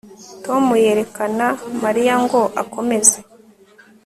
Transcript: Tom yerekana Mariya ngo akomeze